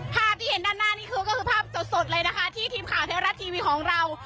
ภาพที่เห็นด้านหน้านี่คือก็คือภาพสดเลยนะคะที่ทีมข่าวเทวรัฐทีวีของเรา